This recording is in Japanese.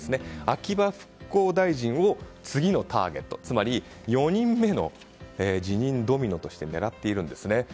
秋葉復興大臣を次のターゲットつまり４人目の辞任ドミノとして狙っているんですね。